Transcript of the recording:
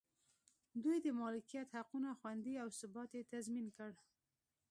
دوی د مالکیت حقونه خوندي او ثبات یې تضمین کړ.